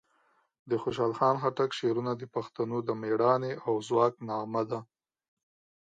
د خوشحال خان خټک شعرونه د پښتنو د مېړانې او ځواک نغمه ده.